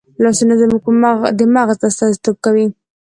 لاسونه زموږ د مغزو استازیتوب کوي